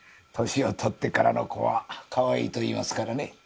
年を取ってからの子はかわいいと言いますからね。